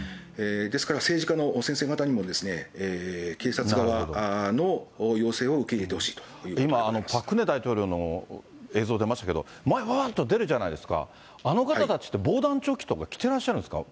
ですから、政治家の先生方にも警察側の要請を受け入れてほしいということで今、パク・クネ大統領の映像出ましたけれども、前にばばばばんと出るじゃないですか、あの方たちって防弾チョッキとかって着てらっしゃるんですか？